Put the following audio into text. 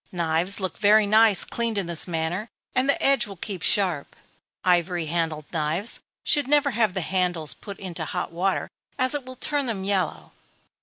Knives look very nice cleaned in this manner, and the edge will keep sharp. Ivory handled knives should never have the handles put into hot water, as it will turn them yellow.